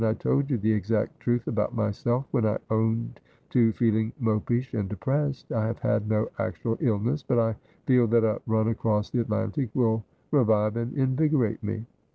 I told you the exact truth about myself when I owned to feeling mopish and depressed. I have had no actual illness ; but I feel that a run across the Atlantic will revive and invigorate me.'